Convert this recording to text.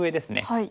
はい。